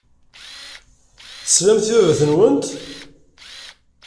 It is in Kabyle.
Teslamt i baba-twent.